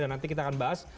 dan nanti kita akan bahas